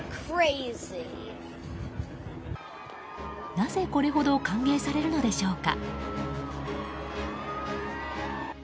なぜ、これほど歓迎されるのでしょうか。